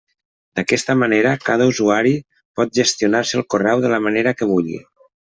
D'aquesta manera, cada usuari pot gestionar-se el correu de la manera que vulgui.